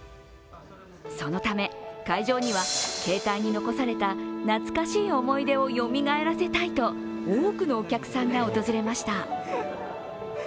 そのため、会場にはケータイに残された懐かしい思い出をよみがえらせたいと、多くのお客さんが訪れました。